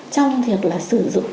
trong việc là sử dụng